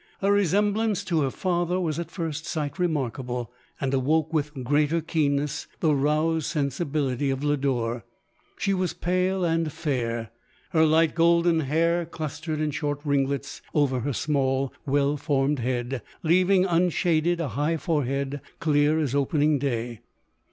Her resemblance to her father was at first sight remarkable, and awoke with greater keenness the roused sensi bility of Lodore. She was pale and fair ; her light, golden hair clustered in short ringlets over her small, well formed head, leaving unshaded a high forehead, clear as opening day.